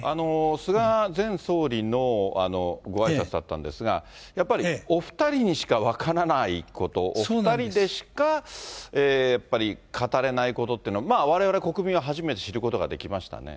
菅前総理のごあいさつだったんですが、やっぱり、お２人にしか分からないこと、お２人でしかやっぱり語れないことってのは、われわれ国民は初めて知ることができましたよね。